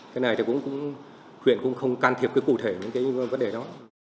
cái này thì huyện cũng không can thiệp cái cụ thể những vấn đề đó